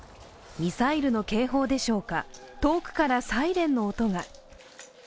ミサイルの警報でしょうか、遠くからサイレンの音が。